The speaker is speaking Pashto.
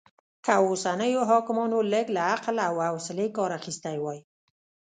که اوسنيو حاکمانو لږ له عقل او حوصلې کار اخيستی وای